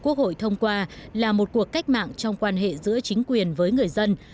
quốc hội thông qua là một cuộc cách mạng trong quan hệ giữa chính quyền với người dân